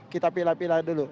kita pilih pilih dulu